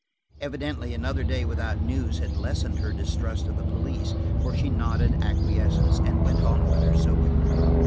Evidently another day without news had lessened her distrust of the police, for she nodded acquiescence and went on with her sewing.